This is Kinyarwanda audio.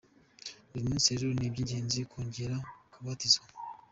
Uyu munsi rero ni iby’ingenzi kongera kubatizwa.